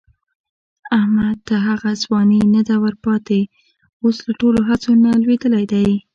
احمد ته هغه ځواني نه ده ورپاتې، اوس له ټولو هڅو نه لوېدلی دی.